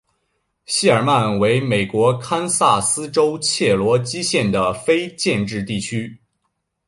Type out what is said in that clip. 谢尔曼为美国堪萨斯州切罗基县的非建制地区。